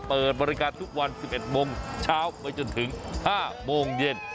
เปิดบริการทุกวัน๑๑โมงเช้าไปจนถึง๕โมงเย็น